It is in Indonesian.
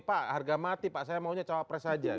pak harga mati pak saya maunya cawapres saja